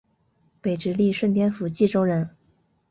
北直隶顺天府蓟州人。